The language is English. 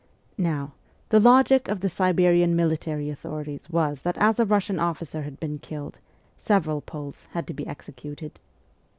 Now, the logic of the Siberian military authorities was that as a Kussian officer had bsen killed several Poles had to be executed.